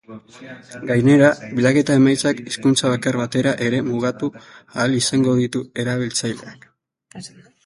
Gainera, bilaketa emaitzak hizkuntza bakar batera ere mugatu ahal izango ditu erabiltzaileak.